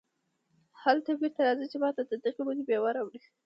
هله بېرته راځه چې ماته د دغې ونې مېوه راوړې.